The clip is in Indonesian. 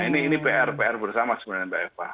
nah ini pr pr bersama sebenarnya mbak eva